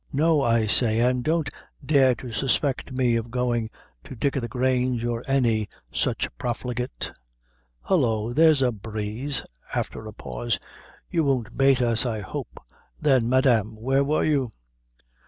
"No! I say, an' don't dare to suspect me of goin' to Dick o' the Grange, or any sich profligate." "Hollo! there's a breeze!" After a pause, "You won't bate us, I hope. Then, madame, where were you?"